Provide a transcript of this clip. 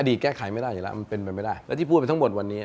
แก้ไขไม่ได้อยู่แล้วมันเป็นไปไม่ได้แล้วที่พูดไปทั้งหมดวันนี้